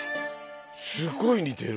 すごい似てる！